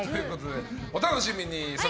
お楽しみに。